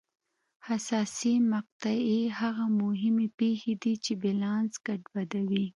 حساسې مقطعې هغه مهمې پېښې دي چې بیلانس ګډوډوي.